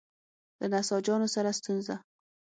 له نساجانو سره ستونزه.